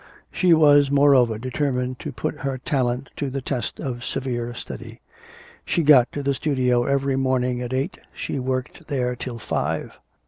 She was, moreover, determined to put her talent to the test of severe study. She got to the studio every morning at eight, she worked there till five.